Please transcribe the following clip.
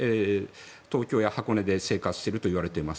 東京や箱根で生活しているといわれています。